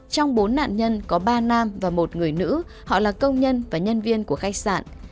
trong bốn nạn nhân có ba nam và một người nữ họ là công nhân và nhân viên của khách sạn